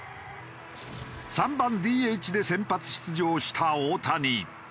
３番ＤＨで先発出場した大谷。